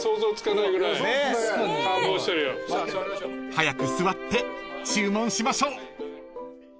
［早く座って注文しましょう］